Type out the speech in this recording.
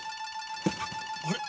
あれ？